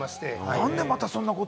なんでまたそんなことを？